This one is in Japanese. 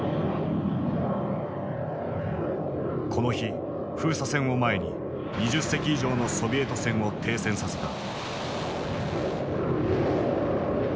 この日封鎖線を前に２０隻以上のソビエト船を停船させた。